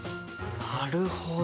なるほど。